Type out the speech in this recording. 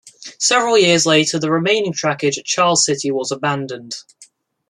Several years later the remaining trackage at Charles City was abandoned.